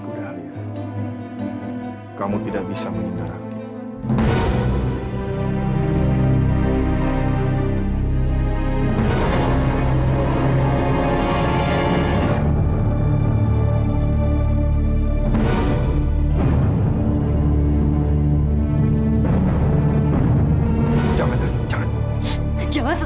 kalian tidak tahu di mana dia berada